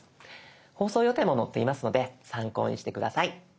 放送予定も載っていますので参考にして下さい。